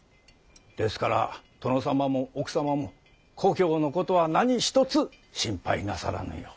ですから殿様も奥様も故郷のことは何一つ心配なさらぬよう。